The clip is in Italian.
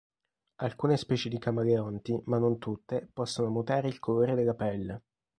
Alcune specie di camaleonti, ma non tutte, possono mutare il colore della pelle.